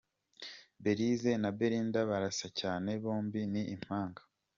Belise na Belinda barasa cyane, bombi ni impanga.